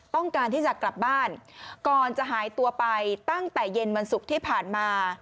ต้องการที่จะกลับบ้านก่อนจะหายตัวไปตั้งแต่เย็นวันศุกร์ที่ผ่านมา